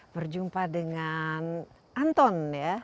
berjumpa dengan anton